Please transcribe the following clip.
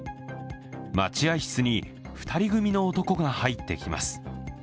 待合室に２人組の男が入ってきます。